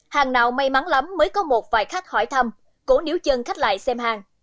hàng nào may mắn lắm mới có một vài khách hỏi thăm cố níu chân khách lại xem hàng